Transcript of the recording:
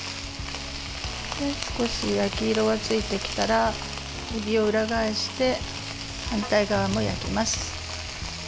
少し焼き色がついてきたらえびを裏返して反対側も焼きます。